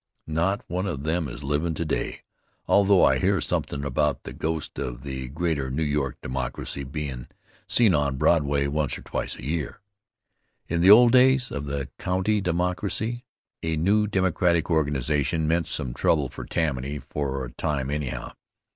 Not one of them is livin' today, although I hear somethin' about the ghost of the Greater New York Democracy bein' seen on Broadway once or twice a year. In the old days of the County Democracy, a new Democratic organization meant some trouble for Tammany for a time anyhow.